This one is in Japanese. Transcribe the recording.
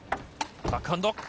バックハンド。